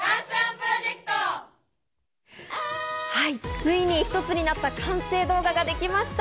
ついに一つになった完成動画ができました。